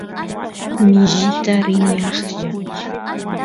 mishita rini aqlla